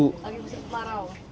lagi bisa kemarau